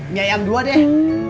nyayam dua deh